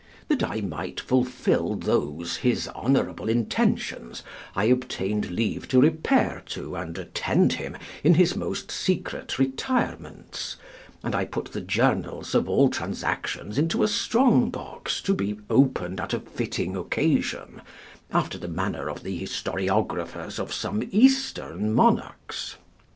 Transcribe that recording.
That I might fulfill those, his honorable intentions, I obtained leave to repair to and attend him in his most secret retirements; and I put the journals of all transactions into a strong box to be opened at a fitting occasion, after the manner of the historiographers of some Eastern monarchs....